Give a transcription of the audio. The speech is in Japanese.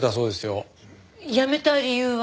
辞めた理由は？